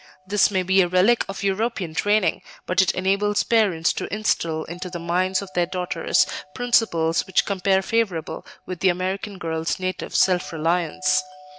This may be a relic of European training, but it enables parents to instil into the minds of their daughters principles which compare favorable with the American girl's native self reliance.